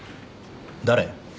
誰？